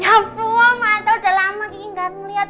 ya ampun masal udah lama kiki gak ngeliat